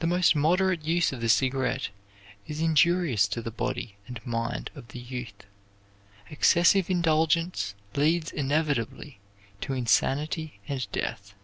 The most moderate use of the cigarette is injurious to the body and mind of the youth; excessive indulgence leads inevitably to insanity and death.